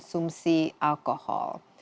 dan juga mengkonsumsi alkohol